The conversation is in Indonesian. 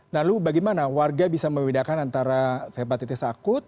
lalu bagaimana warga bisa membedakan antara hepatitis akut